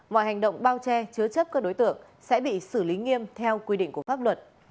mọi hành động bao che chứa chấp các đối tượng sẽ bị xử lý nghiêm theo quy định của pháp luật